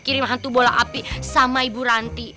kirim hantu bola api sama ibu ranti